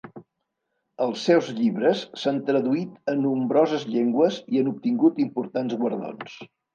Els seus llibres s'han traduït a nombroses llengües i han obtingut importants guardons.